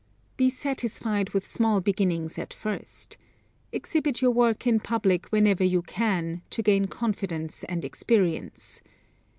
Be satisfied with small beginnings at first. Exhibit your work in public whenever you can, to gain confidence and experience.